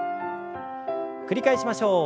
繰り返しましょう。